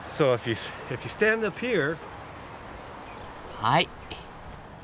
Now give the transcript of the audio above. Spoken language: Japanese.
はい。